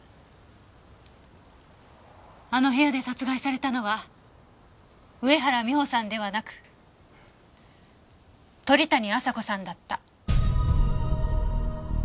あの部屋で殺害されたのは上原美帆さんではなく鳥谷亜沙子さんだった。